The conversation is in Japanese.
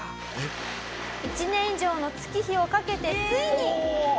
１年以上の月日をかけてついに。